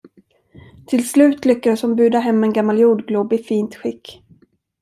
Till slut lyckades hon buda hem en gammal jordglob i fint skick.